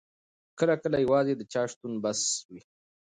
کله کله یوازې د چا شتون بس وي.